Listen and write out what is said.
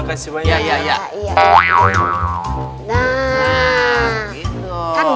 terima kasih banyak